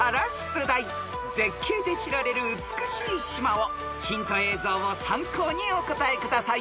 ［絶景で知られる美しい島をヒント映像を参考にお答えください］